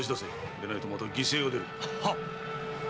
でないとまた犠牲が出る。